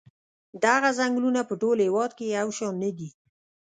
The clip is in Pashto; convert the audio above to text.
دغه څنګلونه په ټول هېواد کې یو شان نه دي.